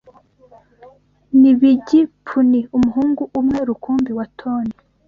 Ni Bigi Puni Umuhungu umwe rukumbi wa Toni